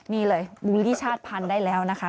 นี่เลยบุญลิชาติพันธ์ได้แล้วนะคะ